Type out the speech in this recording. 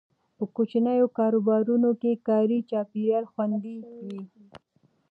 په کوچنیو کاروبارونو کې کاري چاپیریال خوندي وي.